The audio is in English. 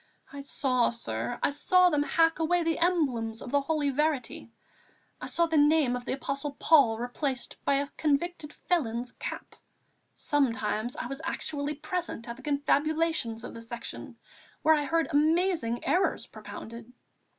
I saw, sir, I saw them hack away the emblems of the Holy Verity; I saw the name of the Apostle Paul replaced by a convicted felon's cap. Sometimes I was actually present at the confabulations of the Section, where I heard amazing errors propounded.